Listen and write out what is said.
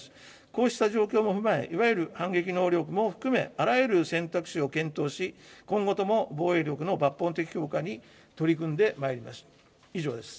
こうした状況も踏まえ、いわゆる反撃能力も含め、あらゆる選択肢を検討し、今後とも防衛力の抜本的強化に取り組んでまいります。